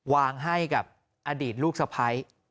วางให้กับอดีตลูกสะพ้าย